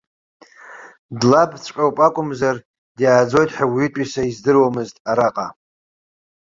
Длабҵәҟьоуп акәымзар, диааӡоит ҳәа уаҩытәыҩса издыруамызт араҟа.